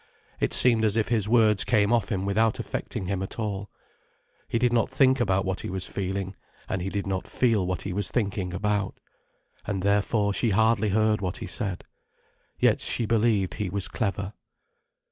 It seemed as if his words came off him without affecting him at all. He did not think about what he was feeling, and he did not feel what he was thinking about. And therefore she hardly heard what he said. Yet she believed he was clever.